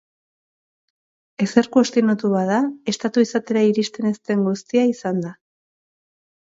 Ezer kuestionatu bada, estatu izatera iristen ez den guztia izan da.